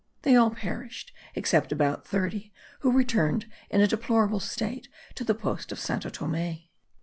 They all perished; except about thirty, who returned in a deplorable state to the post of Santo Thome.